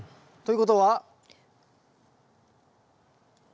ということは？